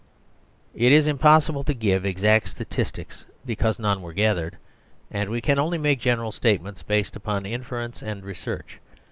It is impossible to give exact statistics, because none were gathered, and we can only make general 59 THE SERVILE STATE statements based upon inference and research.